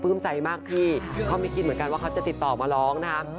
ใจมากพี่เขาไม่คิดเหมือนกันว่าเขาจะติดต่อมาร้องนะคะ